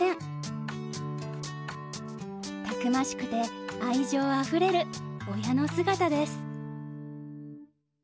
たくましくて愛情あふれる親の姿です。